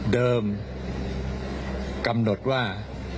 เดิมกำหนดว่า